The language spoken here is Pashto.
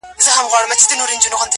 دوی دواړه بحث کوي او يو بل ته ټوکي کوي,